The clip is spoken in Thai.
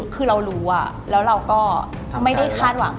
คือเรารู้แล้วเราก็ไม่ได้คาดหวัง